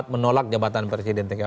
menolak jabatan presiden tk meruda